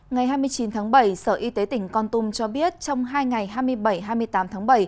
ngày hai mươi chín tháng bảy sở y tế tỉnh con tum cho biết trong hai ngày hai mươi bảy hai mươi tám tháng bảy